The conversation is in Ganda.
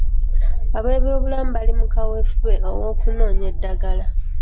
Ab’ebyobulamu bali mu kaweefube ow’okunoonya eddagala.